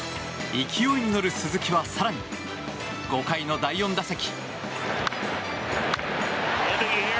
勢いに乗る鈴木は更に５回の第４打席。